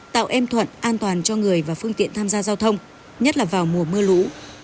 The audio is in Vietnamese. tạo em thuận an toàn cho người và phương tiện tham gia giao thông nhất là vào mùa mưa lũ